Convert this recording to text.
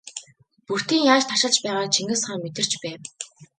Бөртийн яаж тарчилж байгааг Чингис хаан мэдэрч байв.